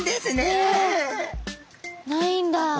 えないんだ。